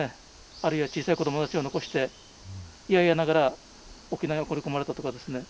あるいは小さい子供たちを残していやいやながら沖縄に送り込まれたとかですね。